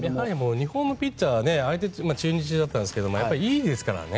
日本のピッチャーは相手、中日だったんですけどいいですからね。